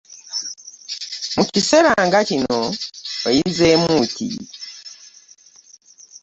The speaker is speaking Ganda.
Mu kiseera nga kino oyizemu ki?